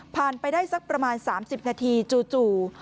ไปได้สักประมาณ๓๐นาทีจู่